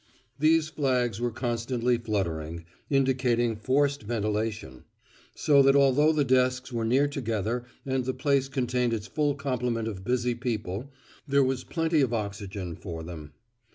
These flags were constantly fluttering, indicating forced ventilation; so that although the desks were near together and the place contained its full complement of busy people, there was plenty of oxygen for them.